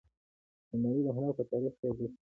د نړۍ د هنر په تاریخ کې ارزښت لري